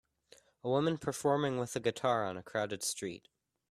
A woman performing with a guitar on a crowded street.